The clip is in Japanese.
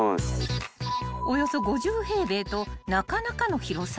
［およそ５０平米となかなかの広さ］